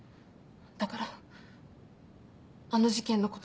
だからあの事件のことも。